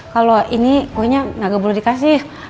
kalau ini kuenya agak belum dikasih